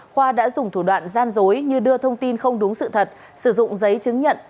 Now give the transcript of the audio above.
khoa đã dùng thủ đoạn gian dối như đưa thông tin không đúng sự thật sử dụng giấy chứng nhận